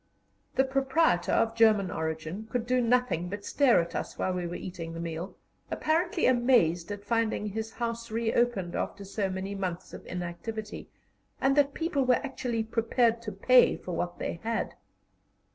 The proprietor, of German origin, could do nothing but stare at us while we were eating the meal, apparently amazed at finding his house reopened after so many months of inactivity, and that people were actually prepared to pay for what they had.